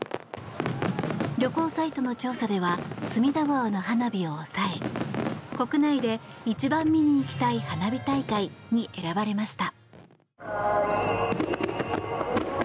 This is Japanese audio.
旅行サイトの調査では隅田川の花火を抑え国内で一番見に行きたい花火大会に選ばれました。